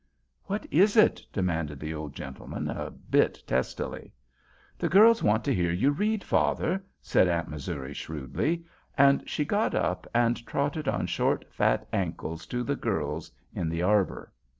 "What is it?" demanded the old gentleman, a bit testily. "The girls want to hear you read, father," said Aunt Missouri, shrewdly; and she got up and trotted on short, fat ankles to the girls in the arbor.